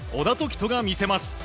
人が見せます。